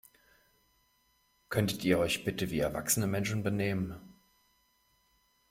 Könntet ihr euch bitte wie erwachsene Menschen benehmen?